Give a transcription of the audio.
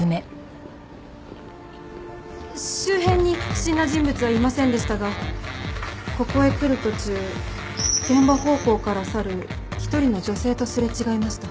周辺に不審な人物はいませんでしたがここへ来る途中現場方向から去る一人の女性とすれ違いました。